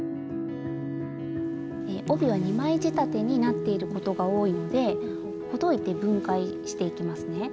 帯は２枚仕立てになっていることが多いのでほどいて分解していきますね。